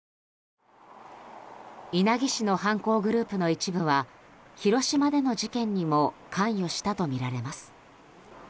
稲城市の犯行グループの一部は広島での事件にも関与したとみられます。